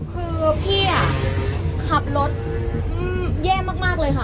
คือพี่อ่ะขับรถอืมแย่มากมากเลยค่ะ